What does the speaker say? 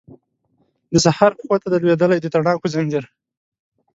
د سهار پښو ته دی لویدلی د تڼاکو ځنځیر